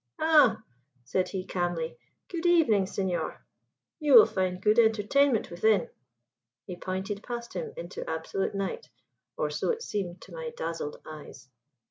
"Ah!" said he calmly. "Good evening, senor. You will find good entertainment within." He pointed past him into absolute night, or so it seemed to my dazzled eyes.